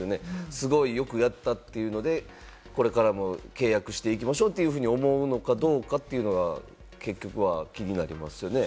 すごい、よくやったというので、これからも契約していきましょうって思うのかどうか。というのが結局は気になりますよね。